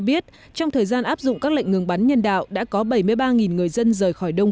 biết trong thời gian áp dụng các lệnh ngừng bắn nhân đạo đã có bảy mươi ba người dân rời khỏi đông